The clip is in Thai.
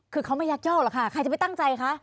คือเขาไม่ยักยอกหรอกค่ะใครจะไปตั้งใจคะ